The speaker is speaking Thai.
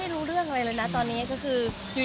มีปิดฟงปิดไฟแล้วถือเค้กขึ้นมา